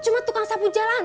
cuma tukang sapu jalanin